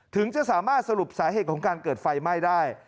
ถึงจะสามารถสรุปสาเหตุของการเกิดไฟไหม้ได้